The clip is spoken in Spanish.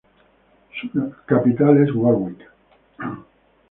Su capital es Warwick.